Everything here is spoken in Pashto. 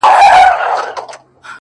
زه دغه ستا د يوازيتوب په معنا _